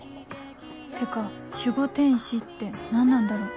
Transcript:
ってか守護天使って何なんだろう？